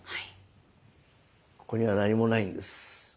ここには何もないんです。